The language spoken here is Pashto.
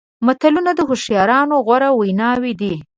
متلونه د هوښیارانو غوره ویناوې دي.